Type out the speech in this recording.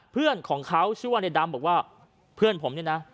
เพื่อนของเขาชื่อว่าในดำบอกว่าเพื่อนผมเนี่ยนะ